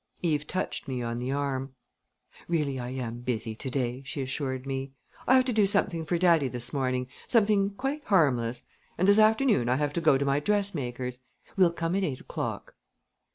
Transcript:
Eve touched me on the arm. "Really, I am busy to day," she assured me. "I have to do something for daddy this morning something quite harmless; and this afternoon I have to go to my dressmaker's. We'll come at eight o'clock."